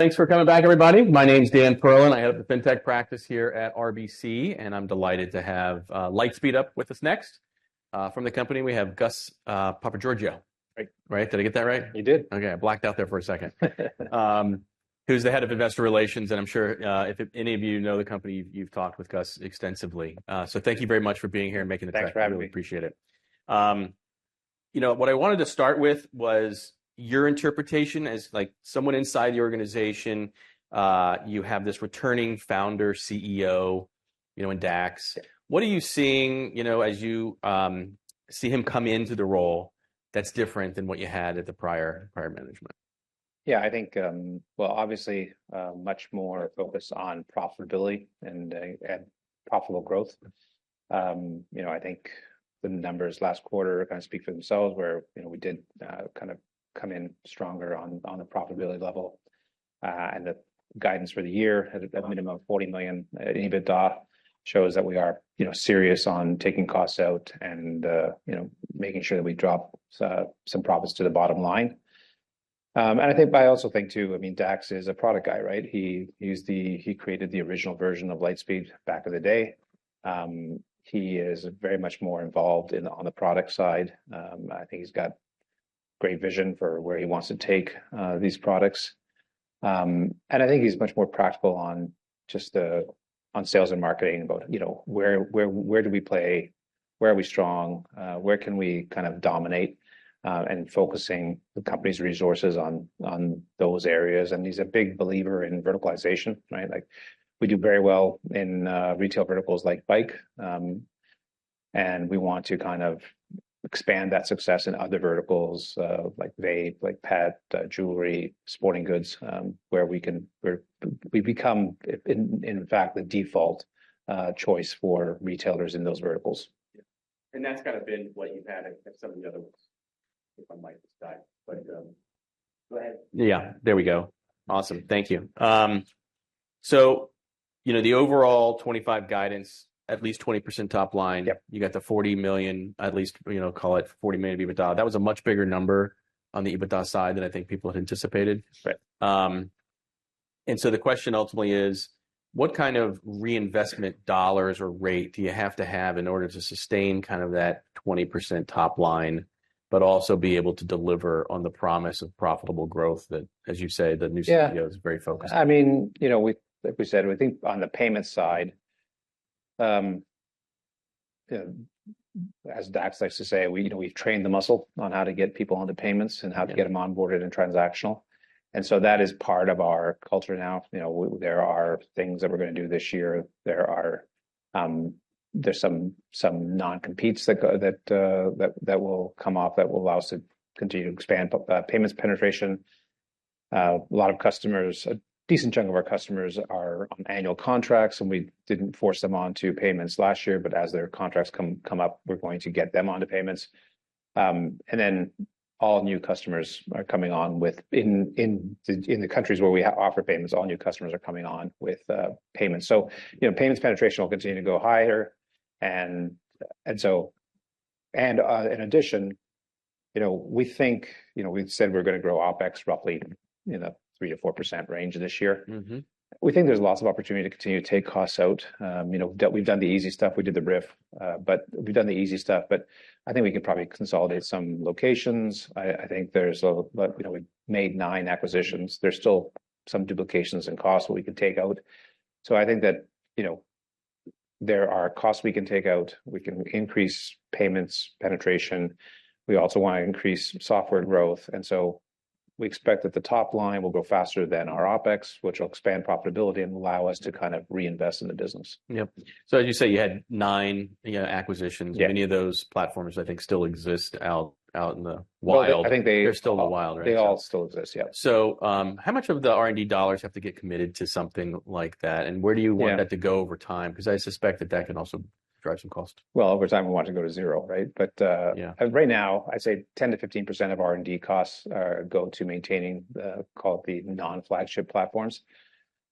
Thanks for coming back, everybody. My name's Dan Perlin, and I head up the Fintech practice here at RBC, and I'm delighted to have Lightspeed up with us next. From the company, we have Gus Papageorgiou. Right. Right. Did I get that right? You did. Okay, I blacked out there for a second. Who's the head of investor relations, and I'm sure if any of you know the company, you've talked with Gus extensively. So thank you very much for being here and making the time. Thanks for having me. I really appreciate it. You know, what I wanted to start with was your interpretation as, like, someone inside the organization. You have this returning founder, CEO, you know, in Dax. Yeah. What are you seeing, you know, as you, see him come into the role, that's different than what you had at the prior, prior management? Yeah, I think, well, obviously, much more focused on profitability and profitable growth. You know, I think the numbers last quarter kind of speak for themselves, where, you know, we did kind of come in stronger on a profitability level. And the guidance for the year, at a minimum of $40 million EBITDA, shows that we are, you know, serious on taking costs out and, you know, making sure that we drop some profits to the bottom line. And I think, but I also think, too, I mean, Dax is a product guy, right? He used the. He created the original version of Lightspeed back in the day. He is very much more involved in the, on the product side. I think he's got great vision for where he wants to take these products. And I think he's much more practical on just the, on sales and marketing, about, you know, where, where do we play? Where are we strong? And focusing the company's resources on, on those areas. And he's a big believer in verticalization, right? Like, we do very well in, retail verticals like bike, and we want to kind of expand that success in other verticals, like vape, like pet, jewelry, sporting goods, where we can... Where we become, in, in fact, the default, choice for retailers in those verticals. Yeah. And that's kind of been what you've had at some of the other ones, if I might just dive, but, go ahead. Yeah, there we go. Awesome. Thank you. So, you know, the overall 25 guidance, at least 20% top line. Yep. You got the $40 million, at least, you know, call it $40 million EBITDA. That was a much bigger number on the EBITDA side than I think people had anticipated. Right. And so the question ultimately is: What kind of reinvestment dollars or rate do you have to have in order to sustain kind of that 20% top line, but also be able to deliver on the promise of profitable growth that, as you say, the new- Yeah... CEO is very focused on? I mean, you know, we, like we said, we think on the payment side, as Dax likes to say, we, you know, we've trained the muscle on how to get people onto payments- Yeah... and how to get them onboarded and transactional. So that is part of our culture now. You know, there are things that we're gonna do this year. There are some non-competes that will come off that will allow us to continue to expand payments penetration. A lot of customers, a decent chunk of our customers are on annual contracts, and we didn't force them onto payments last year, but as their contracts come up, we're going to get them onto payments. And then all new customers are coming on with payments in the countries where we offer payments. So, you know, payments penetration will continue to go higher. And so... And, in addition, you know, we think, you know, we've said we're gonna grow OpEx roughly in a 3%-4% range this year. Mm-hmm. We think there's lots of opportunity to continue to take costs out. You know, we've done the easy stuff. We did the RIF, but we've done the easy stuff, but I think we could probably consolidate some locations. But, you know, we made 9 acquisitions. There's still some duplications in costs that we could take out. So I think that, you know, there are costs we can take out. We can increase payments penetration. We also want to increase software growth, and so we expect that the top line will grow faster than our OpEx, which will expand profitability and allow us to kind of reinvest in the business. Yep. So as you say, you had nine, you know, acquisitions. Yeah. Many of those platforms, I think, still exist out in the wild. Well, I think they- They're still in the wild, right? They all still exist, yeah. How much of the R&D dollars have to get committed to something like that, and where do you want- Yeah... that to go over time? Because I suspect that that can also drive some costs. Well, over time, we want to go to zero, right? But, Yeah... right now, I'd say 10%-15% of R&D costs go to maintaining the, call it, the non-flagship platforms.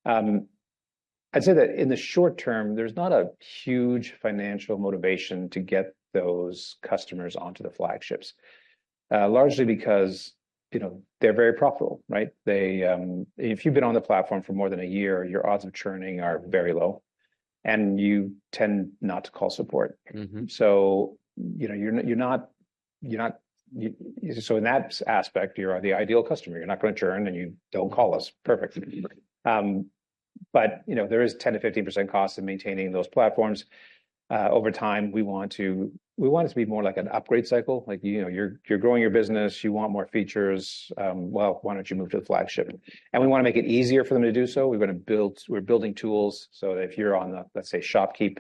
I'd say that in the short term, there's not a huge financial motivation to get those customers onto the flagships, largely because, you know, they're very profitable, right? They, if you've been on the platform for more than a year, your odds of churning are very low, and you tend not to call support. Mm-hmm. So, you know, in that aspect, you're the ideal customer. You're not gonna churn, and you don't call us. Perfect. Mm-hmm. But, you know, there is 10%-15% cost in maintaining those platforms. Over time, we want it to be more like an upgrade cycle. Like, you know, you're growing your business. You want more features. Well, why don't you move to the flagship? And we want to make it easier for them to do so. We're building tools, so if you're on the, let's say, ShopKeep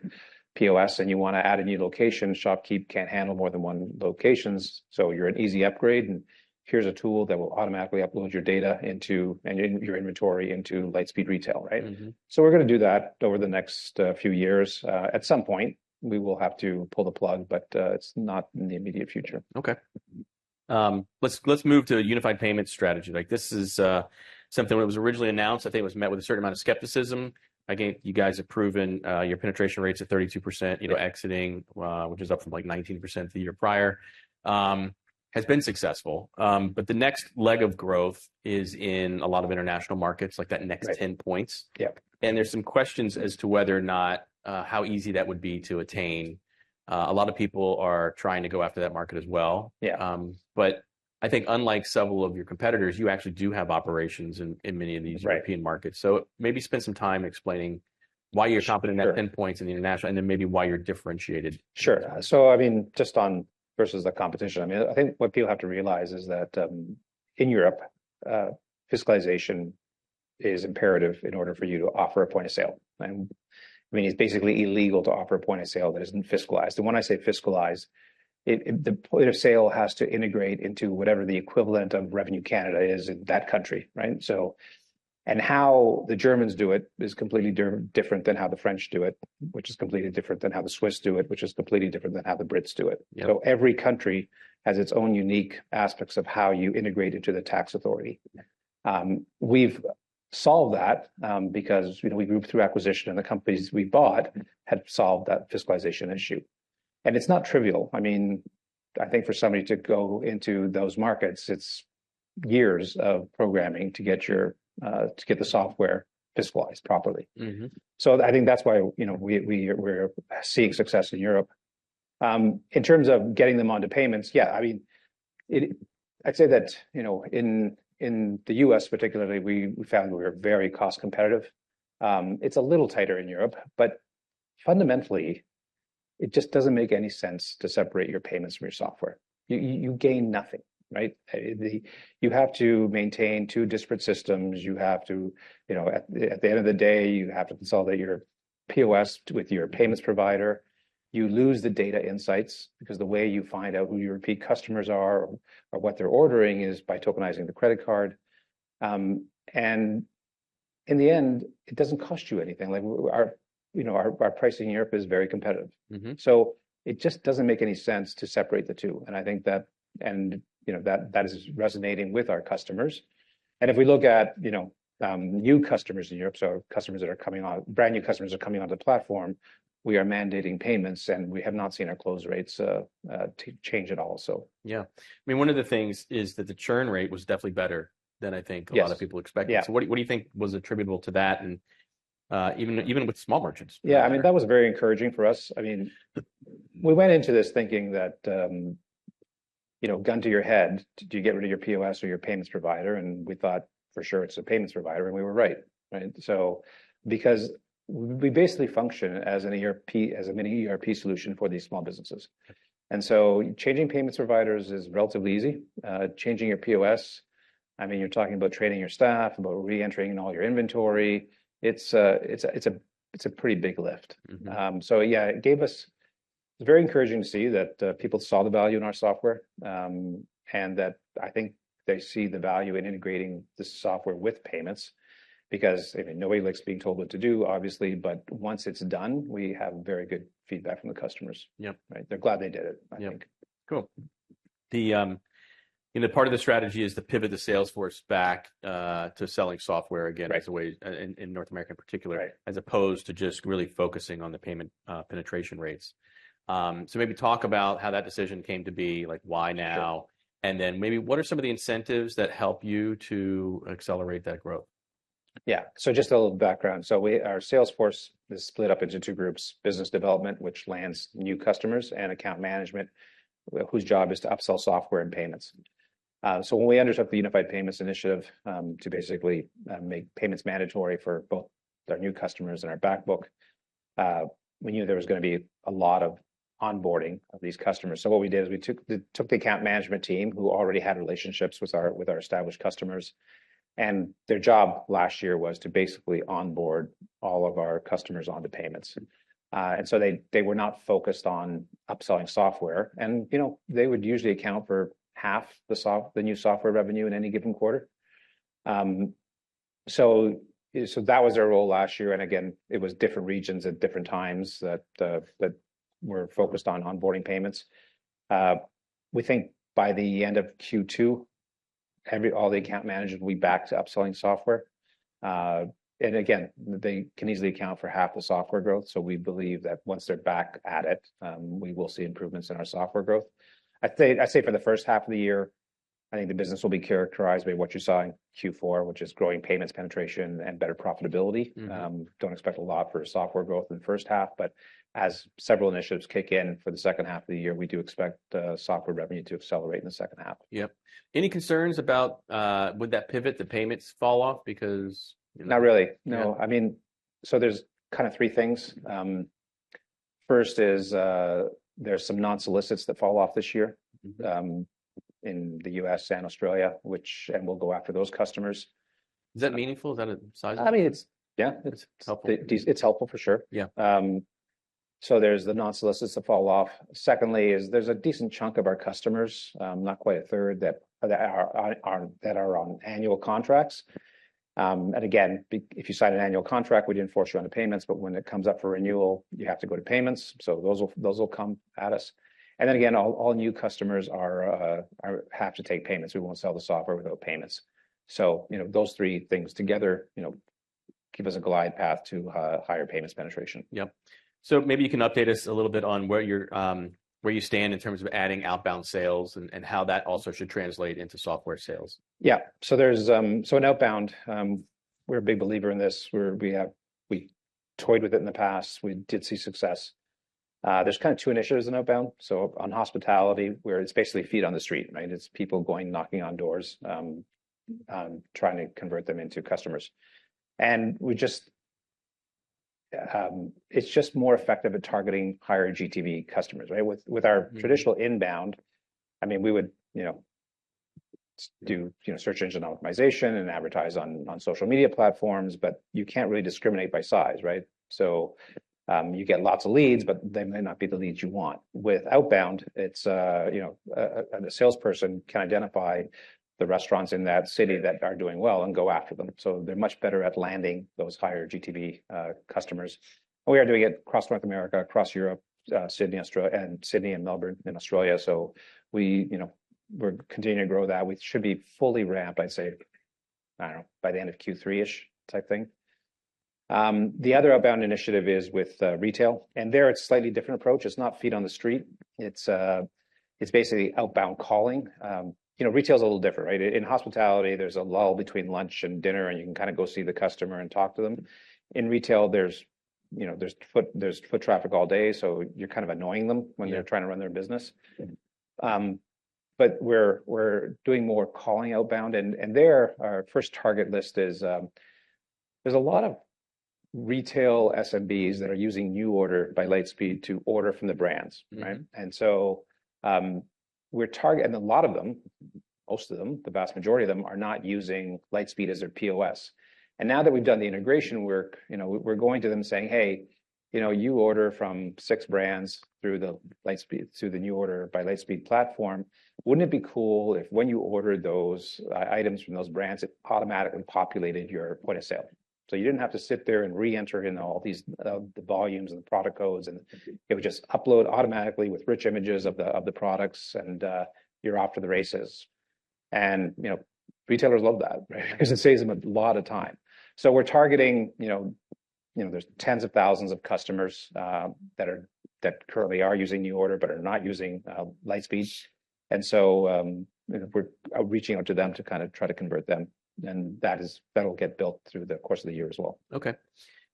POS, and you want to add a new location, ShopKeep can't handle more than one locations, so you're an easy upgrade, and here's a tool that will automatically upload your data into, and your inventory, into Lightspeed Retail, right? Mm-hmm. So we're gonna do that over the next few years. At some point, we will have to pull the plug, but it's not in the immediate future. Okay. Let's move to a unified payment strategy. Like, this is something that was originally announced, I think it was met with a certain amount of skepticism. Again, you guys have proven your penetration rates are 32%- Right... you know, exiting, which is up from, like, 19% the year prior.... has been successful. But the next leg of growth is in a lot of international markets, like that next- Right -ten points. Yep. There's some questions as to whether or not, how easy that would be to attain. A lot of people are trying to go after that market as well. Yeah. But I think unlike several of your competitors, you actually do have operations in many of these- Right European markets. So maybe spend some time explaining why you're confident- Sure In that end point in the international, and then maybe why you're differentiated. Sure. So, I mean, just on versus the competition, I mean, I think what people have to realize is that, in Europe, fiscalization is imperative in order for you to offer a point of sale. And I mean, it's basically illegal to offer a point of sale that isn't fiscalized. And when I say fiscalized, it- the point of sale has to integrate into whatever the equivalent of Revenue Canada is in that country, right? So... And how the Germans do it is completely different than how the French do it, which is completely different than how the Swiss do it, which is completely different than how the Brits do it. Yep. Every country has its own unique aspects of how you integrate into the tax authority. We've solved that because, you know, we grew through acquisition, and the companies we bought had solved that fiscalization issue. It's not trivial. I mean, I think for somebody to go into those markets, it's years of programming to get the software fiscalized properly. Mm-hmm. So I think that's why, you know, we’re seeing success in Europe. In terms of getting them onto payments, yeah, I mean, I’d say that, you know, in the US particularly, we found we were very cost competitive. It’s a little tighter in Europe, but fundamentally, it just doesn’t make any sense to separate your payments from your software. You gain nothing, right? You have to maintain two disparate systems. You have to, you know, at the end of the day, you have to consolidate your POS with your payments provider. You lose the data insights, because the way you find out who your repeat customers are or what they’re ordering is by tokenizing the credit card. And in the end, it doesn’t cost you anything. Like, our, you know, our, our pricing in Europe is very competitive. Mm-hmm. So it just doesn't make any sense to separate the two, and I think that... And, you know, that, that is resonating with our customers. And if we look at, you know, new customers in Europe, brand-new customers are coming on the platform, we are mandating payments, and we have not seen our close rates change at all, so. Yeah. I mean, one of the things is that the churn rate was definitely better than I think… Yes - a lot of people expected. Yeah. So what do you think was attributable to that, and even with small merchants? Yeah, I mean, that was very encouraging for us. I mean, we went into this thinking that, you know, gun to your head, do you get rid of your POS or your payments provider? And we thought, for sure it's the payments provider, and we were right. Right? So because we basically function as an ERP- as a mini ERP solution for these small businesses, and so changing payments providers is relatively easy. Changing your POS, I mean, you're talking about training your staff, about reentering all your inventory. It's a pretty big lift. Mm-hmm. So yeah, it gave us... It's very encouraging to see that, people saw the value in our software, and that I think they see the value in integrating the software with payments, because, I mean, nobody likes being told what to do, obviously, but once it's done, we have very good feedback from the customers. Yep. Right. They're glad they did it- Yep I think. Cool. The, you know, part of the strategy is to pivot the sales force back to selling software again. Right away, in North America in particular- Right - as opposed to just really focusing on the payment, penetration rates. So maybe talk about how that decision came to be, like, why now? Sure. Maybe what are some of the incentives that help you to accelerate that growth? Yeah. So just a little background. So we, our sales force is split up into two groups, business development, which lands new customers, and account management, whose job is to upsell software and payments. So when we undertook the unified payments initiative, to basically make payments mandatory for both our new customers and our backbook, we knew there was gonna be a lot of onboarding of these customers. So what we did is, we took the account management team, who already had relationships with our established customers, and their job last year was to basically onboard all of our customers onto payments. And so they were not focused on upselling software. You know, they would usually account for half the new software revenue in any given quarter. So, so that was their role last year, and again, it was different regions at different times that, that were focused on onboarding payments. We think by the end of Q2, all the account managers will be back to upselling software. And again, they can easily account for half the software growth, so we believe that once they're back at it, we will see improvements in our software growth. I'd say, I'd say for the first half of the year, I think the business will be characterized by what you saw in Q4, which is growing payments penetration and better profitability. Mm-hmm. Don't expect a lot for software growth in the first half, but as several initiatives kick in for the second half of the year, we do expect software revenue to accelerate in the second half. Yep. Any concerns about would that pivot the payments fall off because, you know? Not really, no. Yeah. I mean, so there's kinda three things. First is, there's some non-solicits that fall off this year- Mm-hmm ... in the U.S. and Australia, which, and we'll go after those customers. Is that meaningful? Is that a sizable- I mean, it's... Yeah- It's helpful. It's helpful, for sure. Yeah. So there's the non-solicits that fall off. Secondly, there's a decent chunk of our customers, not quite a third, that are on annual contracts. And again, if you sign an annual contract, we didn't force you onto payments, but when it comes up for renewal, you have to go to payments. So those will come at us. And then again, all new customers have to take payments. We won't sell the software without payments. So, you know, those three things together, you know, give us a glide path to higher payments penetration. Yep. So maybe you can update us a little bit on where you stand in terms of adding outbound sales and how that also should translate into software sales? Yeah. So in outbound, we're a big believer in this, where we have—we toyed with it in the past. We did see success. There's kind of two initiatives in outbound. So on hospitality, where it's basically feet on the street, right? It's people going, knocking on doors, trying to convert them into customers. And we just, it's just more effective at targeting higher GTV customers, right? With, with— Mm... our traditional inbound, I mean, we would, you know, do, you know, search engine optimization and advertise on social media platforms, but you can't really discriminate by size, right? So, you get lots of leads, but they may not be the leads you want. With outbound, it's, you know, a salesperson can identify the restaurants in that city that are doing well and go after them. So they're much better at landing those higher GTV customers. We are doing it across North America, across Europe, Sydney, Australia, and Sydney and Melbourne in Australia, so we, you know, we're continuing to grow that. We should be fully ramped, I'd say, I don't know, by the end of Q3-ish type thing. The other outbound initiative is with retail, and there it's a slightly different approach. It's not feet on the street. It's, it's basically outbound calling. You know, retail is a little different, right? In hospitality, there's a lull between lunch and dinner, and you can kinda go see the customer and talk to them. In retail, you know, there's foot traffic all day, so you're kind of annoying them- Yeah... when they're trying to run their business. But we're doing more calling outbound, and there, our first target list is, there's a lot of retail SMBs that are using NuORDER by Lightspeed to order from the brands, right? Mm-hmm. And so, we're—and a lot of them, most of them, the vast majority of them, are not using Lightspeed as their POS. And now that we've done the integration work, you know, we're going to them saying, "Hey, you know, you order from six brands through the Lightspeed, through the NuORDER by Lightspeed platform. Wouldn't it be cool if when you ordered those, items from those brands, it automatically populated your point of sale? So you didn't have to sit there and re-enter in all these, the volumes and the product codes, and it would just upload automatically with rich images of the, of the products, and, you're off to the races." And, you know, retailers love that- Right... 'cause it saves them a lot of time. So we're targeting, you know, you know, there's tens of thousands of customers that currently are using NuORDER but are not using Lightspeed. And so, we're reaching out to them to kind of try to convert them, and that will get built through the course of the year as well. Okay.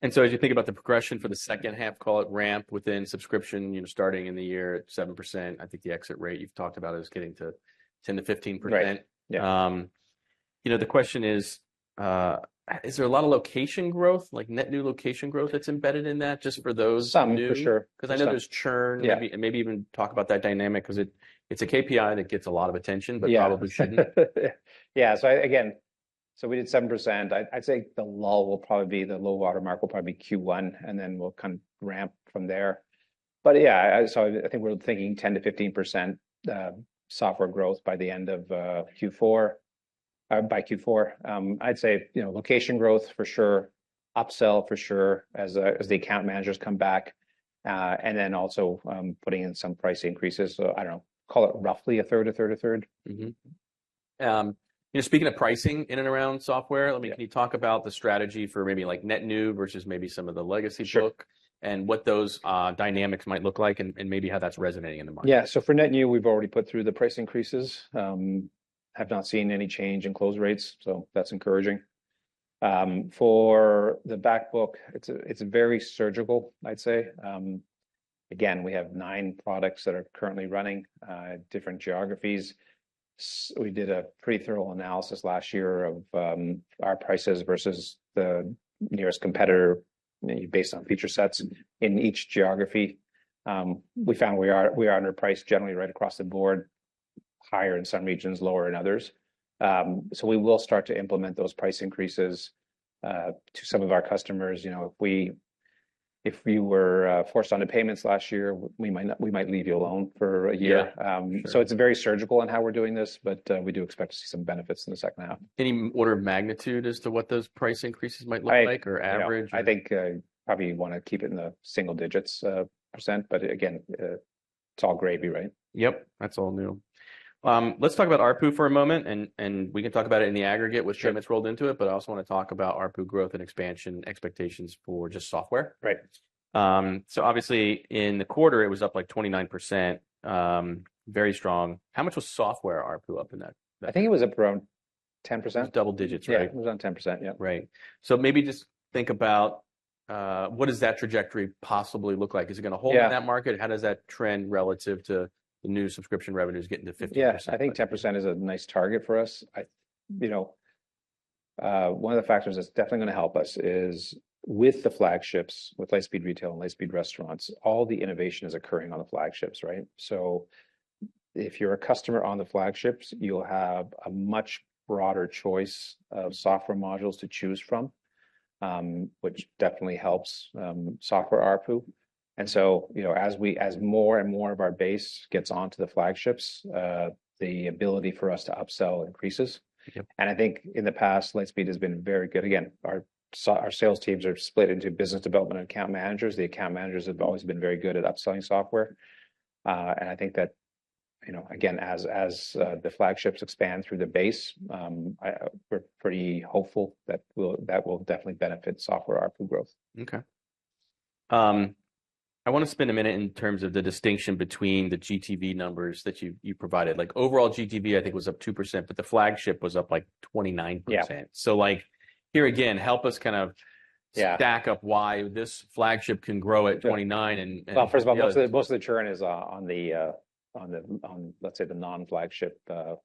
And so as you think about the progression for the second half, call it ramp within subscription, you know, starting in the year at 7%, I think the exit rate you've talked about is getting to 10%-15%. Right. Yeah. You know, the question is, is there a lot of location growth, like net new location growth that's embedded in that just for those- Some, for sure.... new? 'Cause I know there's churn. Yeah. Maybe even talk about that dynamic, 'cause it, it's a KPI that gets a lot of attention- Yeah... but probably shouldn't. Yeah. So again, so we did 7%. I'd say the lull will probably be, the low water mark will probably be Q1, and then we'll kind of ramp from there. But yeah, so I think we're thinking 10%-15% software growth by the end of Q4, by Q4. I'd say, you know, location growth for sure, upsell for sure, as the account managers come back, and then also putting in some price increases. So I don't know, call it roughly a third, a third, a third. Mm-hmm. You know, speaking of pricing in and around software- Yeah ...let me, can you talk about the strategy for maybe like net new versus maybe some of the legacy book? Sure. What those dynamics might look like and maybe how that's resonating in the market. Yeah. So for net new, we've already put through the price increases. Have not seen any change in close rates, so that's encouraging. For the back book, it's very surgical, I'd say. Again, we have 9 products that are currently running different geographies. We did a pretty thorough analysis last year of our prices versus the nearest competitor, based on feature sets in each geography. We found we are underpriced generally right across the board, higher in some regions, lower in others. So we will start to implement those price increases to some of our customers. You know, if we were forced onto payments last year, we might leave you alone for a year. Yeah. Sure. So it's very surgical in how we're doing this, but we do expect to see some benefits in the second half. Any order of magnitude as to what those price increases might look like? I-... or average? Yeah. I think, probably want to keep it in the single digits %. But again, it's all gravy, right? Yep, that's all new. Let's talk about ARPU for a moment, and we can talk about it in the aggregate with- Sure... shipments rolled into it, but I also want to talk about ARPU growth and expansion expectations for just software. Right. So obviously, in the quarter, it was up like 29%, very strong. How much was software ARPU up in that? I think it was up around 10%. Double digits, right? Yeah, it was around 10%. Yep. Right. So maybe just think about what does that trajectory possibly look like? Yeah. Is it gonna hold in that market? How does that trend relative to the new subscription revenues getting to 50%? Yeah. I think 10% is a nice target for us. I... You know, one of the factors that's definitely gonna help us is with the flagships, with Lightspeed Retail and Lightspeed Restaurant, all the innovation is occurring on the flagships, right? So if you're a customer on the flagships, you'll have a much broader choice of software modules to choose from, which definitely helps, software ARPU. And so, you know, as more and more of our base gets onto the flagships, the ability for us to upsell increases. Yep. And I think in the past, Lightspeed has been very good. Again, our sales teams are split into business development and account managers. The account managers have always been very good at upselling software, and I think that you know, again, as the flagships expand through the base, we're pretty hopeful that will definitely benefit software ARPU growth. Okay. I wanna spend a minute in terms of the distinction between the GTV numbers that you, you provided. Like, overall GTV, I think, was up 2%, but the flagship was up, like, 29%. Yeah. Like, here again, help us kind of- Yeah stack up why this flagship can grow at 29 and Well, first of all, most of the churn is on the, on, let's say, the non-flagship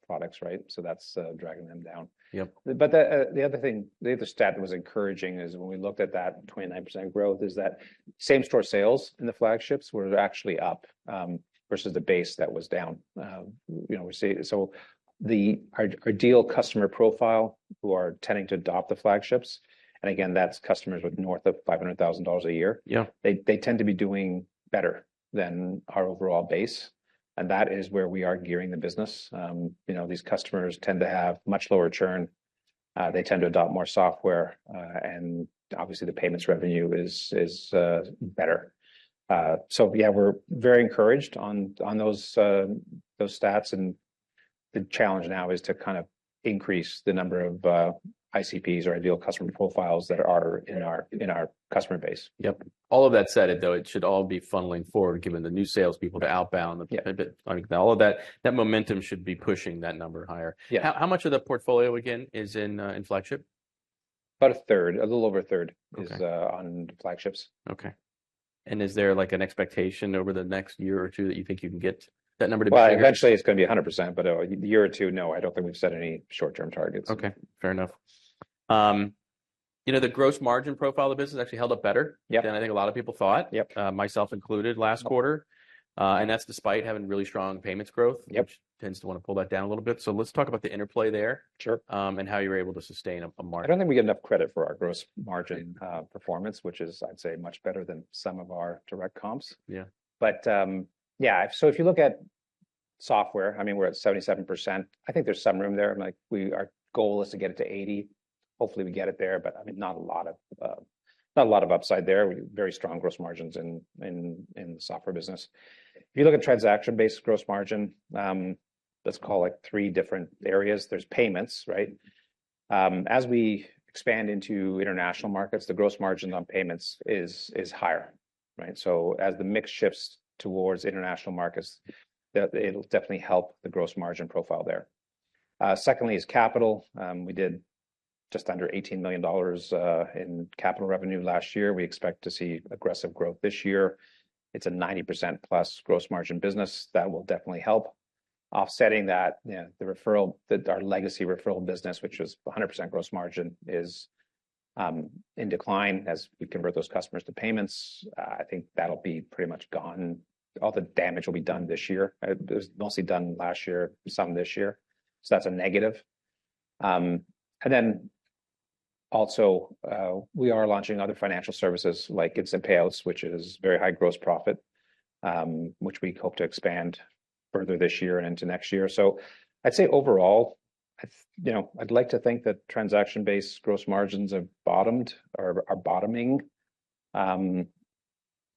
products, right? So that's dragging them down. Yep. But the other thing, the other stat that was encouraging is when we looked at that 29% growth, is that same-store sales in the flagships were actually up versus the base that was down. You know, we see... So our ideal customer profile, who are tending to adopt the flagships, and again, that's customers with north of $500,000 a year- Yeah... they tend to be doing better than our overall base, and that is where we are gearing the business. You know, these customers tend to have much lower churn. They tend to adopt more software, and obviously, the payments revenue is better. So yeah, we're very encouraged on those stats, and the challenge now is to kind of increase the number of ICPs or ideal customer profiles that are in our customer base. Yep. All of that said, though, it should all be funneling forward, given the new salespeople to outbound. Yeah. But all of that, that momentum should be pushing that number higher. Yeah. How much of the portfolio, again, is in flagship? About a third, a little over a third- Okay... is, on flagships. Okay. Is there, like, an expectation over the next year or two that you think you can get that number to be higher? Well, eventually, it's gonna be 100%, but a year or two, no, I don't think we've set any short-term targets. Okay, fair enough. You know, the gross margin profile of the business actually held up better- Yep than I think a lot of people thought. Yep. Myself included, last quarter. That's despite having really strong payments growth- Yep -which tends to wanna pull that down a little bit. So let's talk about the interplay there- Sure... and how you were able to sustain a margin. I don't think we get enough credit for our gross margin performance, which is, I'd say, much better than some of our direct comps. Yeah. But, yeah, so if you look at software, I mean, we're at 77%. I think there's some room there, and like, our goal is to get it to 80. Hopefully, we get it there, but I mean, not a lot of, not a lot of upside there. We have very strong gross margins in the software business. If you look at transaction-based gross margin, let's call it three different areas. There's payments, right? As we expand into international markets, the gross margin on payments is higher, right? So as the mix shifts towards international markets, it'll definitely help the gross margin profile there. Secondly is capital. We did just under $18 million in capital revenue last year. We expect to see aggressive growth this year. It's a 90%+ gross margin business. That will definitely help. Offsetting that, yeah, the referral, our legacy referral business, which was 100% gross margin, is in decline. As we convert those customers to payments, I think that'll be pretty much gone. All the damage will be done this year. It was mostly done last year, some this year, so that's a negative. And then also, we are launching other financial services, like instant payouts, which is very high gross profit, which we hope to expand further this year and into next year. So I'd say overall, you know, I'd like to think that transaction-based gross margins have bottomed or are bottoming.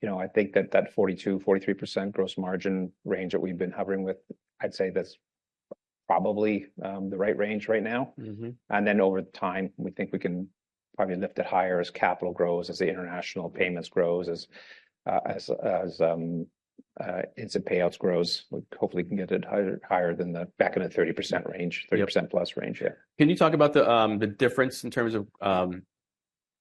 You know, I think that 42%-43% gross margin range that we've been hovering with, I'd say that's probably the right range right now. Mm-hmm. And then over time, we think we can probably lift it higher as capital grows, as the international payments grows, as instant payouts grows. We hopefully can get it higher, higher, back in the 30% range, 30%+ range. Yep. Yeah. Can you talk about the, the difference in terms of,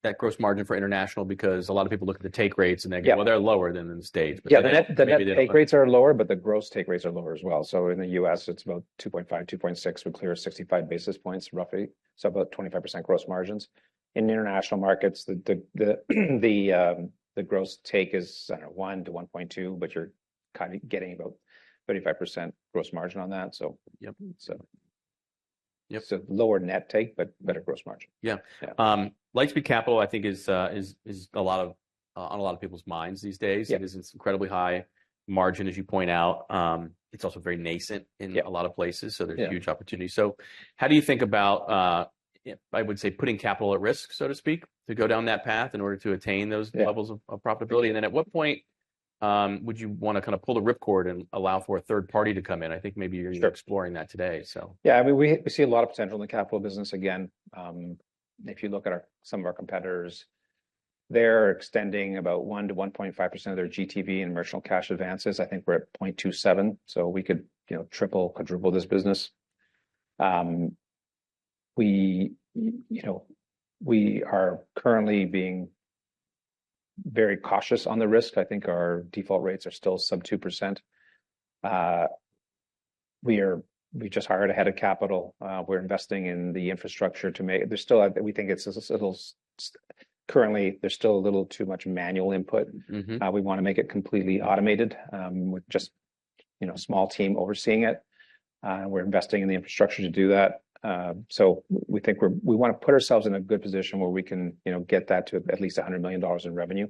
net gross margin for international? Because a lot of people look at the take rates, and they go- Yeah... "Well, they're lower than the States. Yeah, the net- But maybe the- The net take rates are lower, but the gross take rates are lower as well. So in the U.S., it's about 2.5-2.6. We clear 65 basis points, roughly, so about 25% gross margins. In the international markets, the gross take is 1-1.2, but you're kind of getting about 35% gross margin on that. So- Yep... so. Yep. So lower net take, but better gross margin. Yeah. Yeah. Lightspeed Capital, I think, is on a lot of people's minds these days. Yeah. It is incredibly high margin, as you point out. It's also very nascent- Yeah... in a lot of places, so- Yeah... there's huge opportunity. So how do you think about, I would say, putting capital at risk, so to speak, to go down that path in order to attain those- Yeah... levels of profitability? And then at what point would you wanna kinda pull the rip cord and allow for a third party to come in? I think maybe you're- Sure... exploring that today, so. Yeah. I mean, we see a lot of potential in the capital business. Again, if you look at some of our competitors, they're extending about 1-1.5% of their GTV in commercial cash advances. I think we're at 0.27, so we could, you know, triple, quadruple this business. You know, we are currently being very cautious on the risk. I think our default rates are still sub 2%. We just hired a head of capital. We're investing in the infrastructure to make... There's still a little too much manual input. Mm-hmm. We wanna make it completely automated, with just, you know, a small team overseeing it. We're investing in the infrastructure to do that. We think we wanna put ourselves in a good position where we can, you know, get that to at least $100 million in revenue.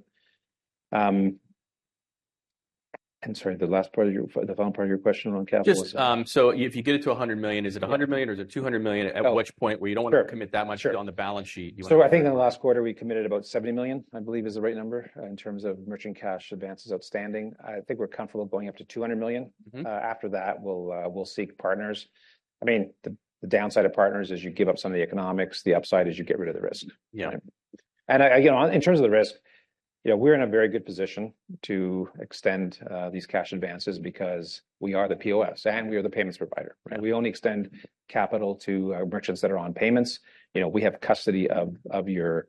I'm sorry, the last part of your, the final part of your question on capital was? Just, so if you get it to $100 million, is it $100 million or is it $200 million? At which point where you don't want to commit that much on the balance sheet, you want- I think in the last quarter, we committed about $70 million, I believe, is the right number in terms of merchant cash advances outstanding. I think we're comfortable going up to $200 million. Mm-hmm. After that, we'll seek partners. I mean, the downside of partners is you give up some of the economics. The upside is you get rid of the risk. Yeah. Again, in terms of the risk, you know, we're in a very good position to extend these cash advances because we are the POS, and we are the payments provider. Right. We only extend capital to merchants that are on payments. You know, we have custody of your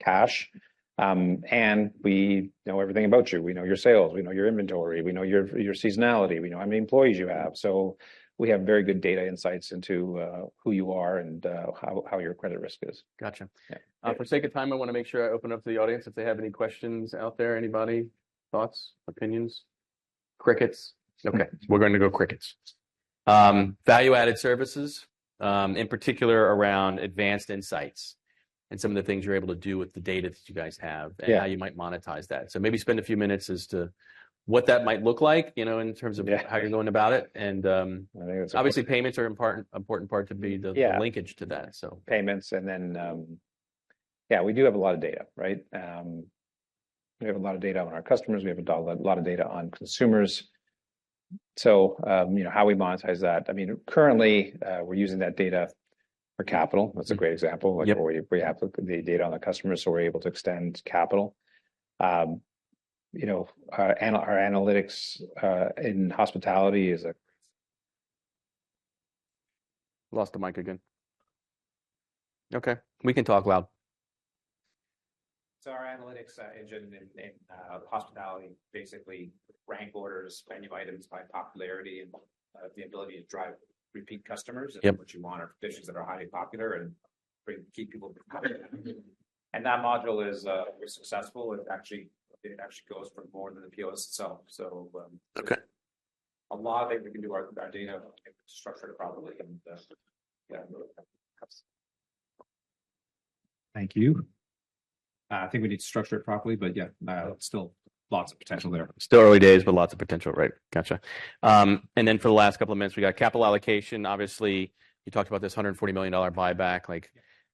cash, and we know everything about you. We know your sales, we know your inventory, we know your seasonality, we know how many employees you have. So we have very good data insights into who you are and how your credit risk is. Gotcha. Yeah. For sake of time, I want to make sure I open up to the audience if they have any questions out there. Anybody, thoughts, opinions? Crickets. Okay. We're going to go crickets. Value-added services, in particular around Advanced Insights and some of the things you're able to do with the data that you guys have- Yeah... and how you might monetize that. So maybe spend a few minutes as to what that might look like, you know, in terms of- Yeah... how you're going about it. Obviously, payments are important, important part to be the- Yeah... linkage to that, so. Payments, and then... Yeah, we do have a lot of data, right? We have a lot of data on our customers. We have a lot of data on consumers. So, you know, how we monetize that, I mean, currently, we're using that data for capital. That's a great example. Yep. Where we have the data on the customers, so we're able to extend capital. You know, our analytics in hospitality is a... Lost the mic again. Okay, we can talk loud. So our analytics engine in hospitality basically rank orders menu items by popularity and the ability to drive repeat customers. Yep. What you want are dishes that are highly popular and bring, keep people coming. That module is very successful. It actually, it actually goes for more than the POS itself, so Okay... a lot of it, we can do our, that data structured properly, and, yeah. Thank you. I think we need to structure it properly, but yeah, still lots of potential there. Still early days, but lots of potential, right? Gotcha. And then for the last couple of minutes, we got capital allocation. Obviously, you talked about this $140 million buyback. Like,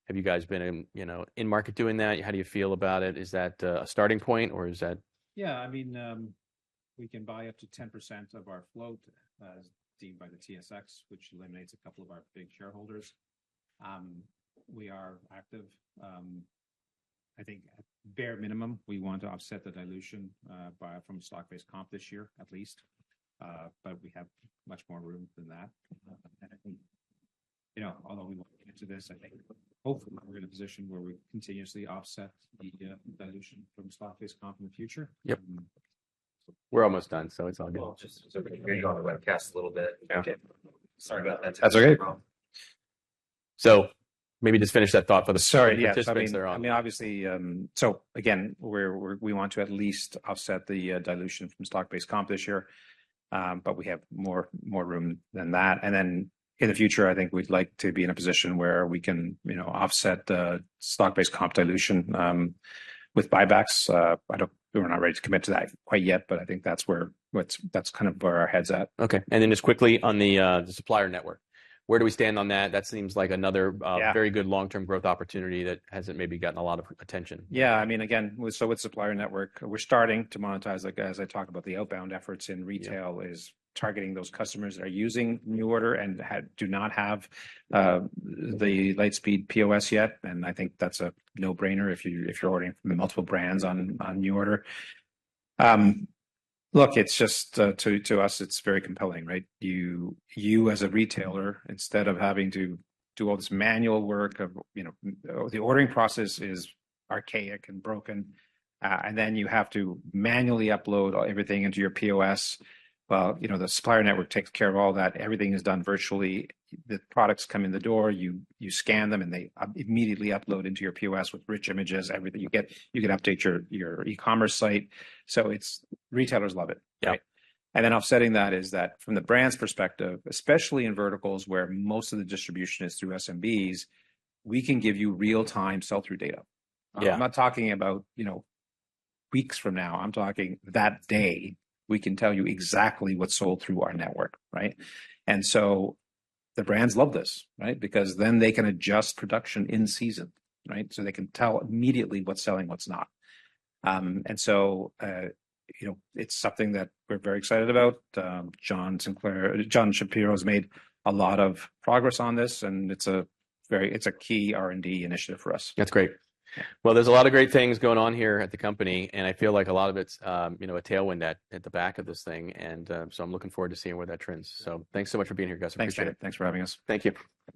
have you guys been in, you know, in market doing that? How do you feel about it? Is that a starting point, or is that- Yeah, I mean, we can buy up to 10% of our float, as deemed by the TSX, which eliminates a couple of our big shareholders. We are active. I think at bare minimum, we want to offset the dilution, by from stock-based comp this year, at least. But we have much more room than that. And I think, you know, although we won't get to this, I think hopefully, we're in a position where we continuously offset the, dilution from stock-based comp in the future. Yep. We're almost done, so it's all good. Well, just so we can hear you on the webcast a little bit. Yeah. Okay. Sorry about that. That's okay. So maybe just finish that thought for the- Sorry, yeah. 'Cause I mean, they're on. I mean, obviously, so again, we're, we want to at least offset the dilution from stock-based comp this year, but we have more room than that. And then in the future, I think we'd like to be in a position where we can, you know, offset the stock-based comp dilution with buybacks. I don't... We're not ready to commit to that quite yet, but I think that's kind of where our head's at. Okay. And then just quickly on the Supplier Network, where do we stand on that? That seems like another, Yeah... very good long-term growth opportunity that hasn't maybe gotten a lot of attention. Yeah, I mean, again, so with Supplier Network, we're starting to monetize, like, as I talk about the outbound efforts in retail- Yeah... is targeting those customers that are using NuORDER and had, do not have, the Lightspeed POS yet. And I think that's a no-brainer if you, if you're ordering from the multiple brands on, on NuORDER. Look, it's just, to, to us, it's very compelling, right? You, you as a retailer, instead of having to do all this manual work of, you know, the ordering process is archaic and broken, and then you have to manually upload everything into your POS. Well, you know, the Supplier Network takes care of all that. Everything is done virtually. The products come in the door, you, you scan them, and they immediately upload into your POS with rich images, everything. You get, you can update your, your e-commerce site. So it's... Retailers love it. Yeah. And then offsetting that is that from the brand's perspective, especially in verticals where most of the distribution is through SMBs, we can give you real-time sell-through data. Yeah. I'm not talking about, you know, weeks from now. I'm talking that day, we can tell you exactly what's sold through our network, right? And so the brands love this, right? Because then they can adjust production in season, right? So they can tell immediately what's selling, what's not. And so, you know, it's something that we're very excited about. John Shapiro has made a lot of progress on this, and it's a very, it's a key R&D initiative for us. That's great. Yeah. Well, there's a lot of great things going on here at the company, and I feel like a lot of it's, you know, a tailwind at, at the back of this thing. And, so I'm looking forward to seeing where that trends. So thanks so much for being here, Gus. Thanks, Dan. Thanks for having us. Thank you.